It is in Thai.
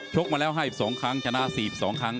กมาแล้ว๕๒ครั้งชนะ๔๒ครั้ง